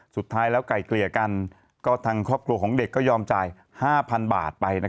สุดท้ายแล้วไก่เกลี่ยกันก็ทางครอบครัวของเด็กก็ยอมจ่าย๕๐๐๐บาทไป